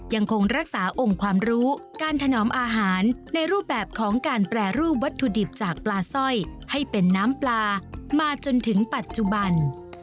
ยังคงรักษาองค์ความรู้การถนอมอาหารในรูปแบบของการแปรรูปวัตถุดิบจากปลาสร้อยให้เป็นน้ำปลามาจนถึงปัจจุบัน